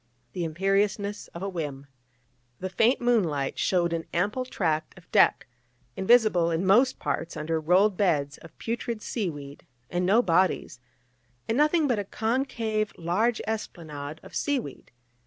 the imperiousness of a whim. The faint moonlight shewed an ample tract of deck, invisible in most parts under rolled beds of putrid seaweed, and no bodies, and nothing but a concave, large esplanade of seaweed.